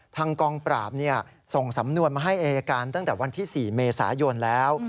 ทางกองปราบส่งสำนวนมาให้อายการตั้งแต่วันที่๔เมษายนแล้ว